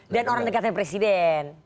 dan orang dekatnya presiden